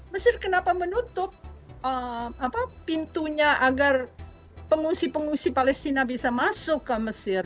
mesir kenapa menutup pintunya agar pengungsi pengungsi palestina bisa masuk ke mesir